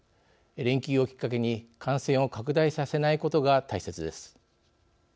連休をきっかけに、感染を拡大させないことが大切です。